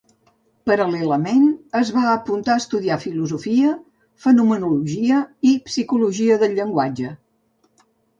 Paral·lelament, es va apuntar a estudiar filosofia, fenomenologia i psicologia del llenguatge.